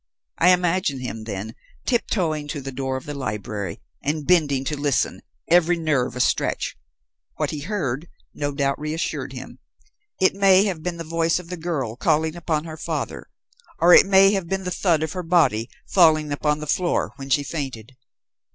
I imagine him, then, tiptoeing to the door of the library and bending to listen, every nerve astretch. What he heard, no doubt reassured him; it may have been the voice of the girl calling upon her father, or it may have been the thud of her body falling upon the floor when she fainted.